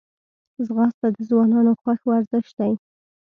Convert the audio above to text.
ځغاسته د ځوانانو خوښ ورزش دی